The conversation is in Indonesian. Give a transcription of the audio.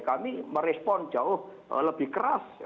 kami merespon jauh lebih keras